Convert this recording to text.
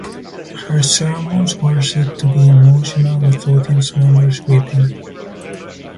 Her sermons were said to be emotional with audience members weeping.